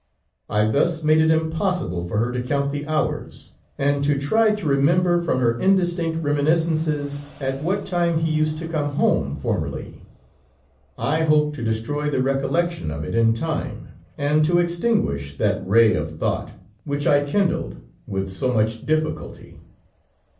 I thus made it impossible for her to count the hours, and to try to remember, from her indistinct reminiscences, at what time he used to come home, formerly. I hope to destroy the recollection of it in time, and to extinguish that ray of thought which I kindled with so much difficulty.